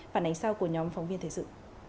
phản ánh sau của nhóm phóng viên thời sự